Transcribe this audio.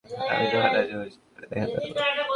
আমি তোমার সাথে অপারেশনের পরে দেখা করব।